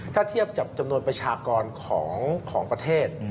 ถ้าเทียบกับจำนวนประชากรของประเทศ